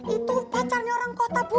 itu pacarnya orang kota bu